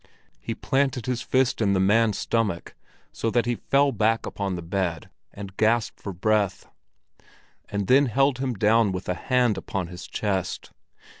He planted his fist in the man's stomach, so that he fell back upon the bed and gasped for breath; and then held him down with a hand upon his chest.